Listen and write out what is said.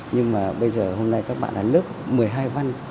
nhưng mà bây giờ hôm nay các bạn là lớp một mươi hai văn